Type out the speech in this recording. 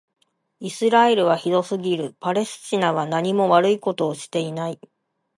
イスラエルはひどすぎる。パレスチナはなにも悪いことをしていない。